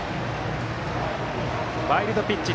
ワイルドピッチ。